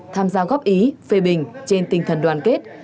tham gia góp ý phê bình trên tinh thần đoàn kết